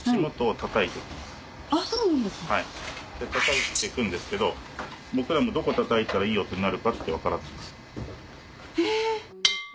たたいていくんですけど僕らもどこたたいたらいい音になるかって分からないんです。